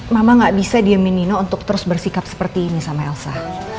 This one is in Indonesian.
mama gak bisa diem minino untuk terus bersikap seperti ini sama elsa